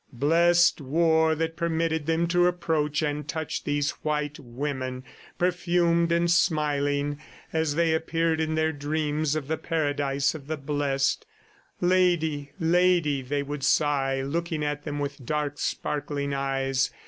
Blessed war that permitted them to approach and touch these white women, perfumed and smiling as they appeared in their dreams of the paradise of the blest! "Lady ... Lady," they would sigh, looking at them with dark, sparkling eyes.